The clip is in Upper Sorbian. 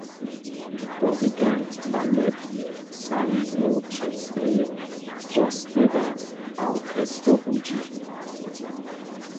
To rěka, balet stawiznu předstaji, chór spěwa a orchester hudźi.